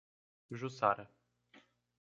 Jussara